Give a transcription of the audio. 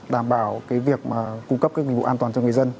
đảm bảo cái việc mà cung cấp cái quý vụ an toàn cho người dân